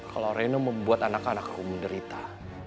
kalau reno membuat anak anakku menderita